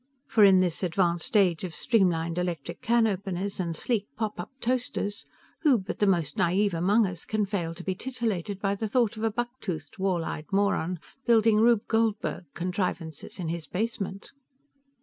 For in this advanced age of streamlined electric can openers and sleek pop up toasters, who but the most naïve among us can fail to be titillated by the thought of a buck toothed, wall eyed moron building Rube Goldberg contrivances in his basement?